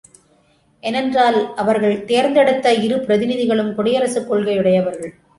ஏனென்றால் அவர்கள் தேர்ந்தெடுத்த இரு பிரதிநிதிகளும் குடியரசுக் கொள்கையுடையவர்கள்.